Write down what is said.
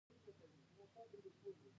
دریم دا چې په سازمان کې افراد موجود وي.